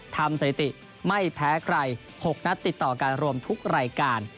สถิติไม่แพ้ใคร๖นัดติดต่อกันรวมทุกรายการ